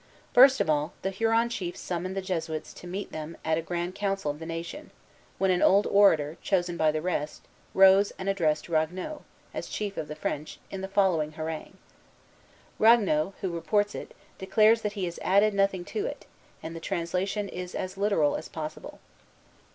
First of all, the Huron chiefs summoned the Jesuits to meet them at a grand council of the nation, when an old orator, chosen by the rest, rose and addressed Ragueneau, as chief of the French, in the following harangue. Ragueneau, who reports it, declares that he has added nothing to it, and the translation is as literal as possible.